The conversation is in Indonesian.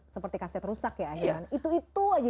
seperti kaset rusak ya akhirnya